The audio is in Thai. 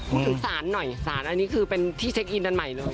พูดถึงสารหน่อยสารอันนี้คือเป็นที่เช็คอินอันใหม่เลย